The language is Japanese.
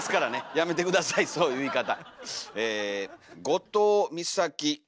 やめて下さいそういう言い方。